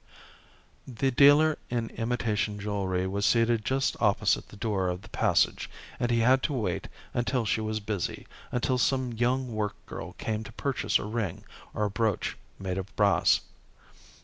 The dealer in imitation jewelry was seated just opposite the door of the passage, and he had to wait until she was busy, until some young work girl came to purchase a ring or a brooch made of brass.